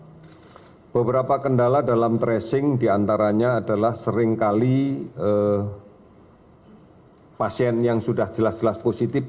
nah beberapa kendala dalam tracing diantaranya adalah seringkali pasien yang sudah jelas jelas positif